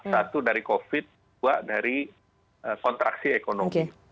satu dari covid dua dari kontraksi ekonomi